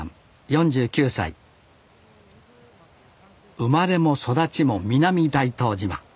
生まれも育ちも南大東島。